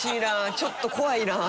ちょっと怖いなあ。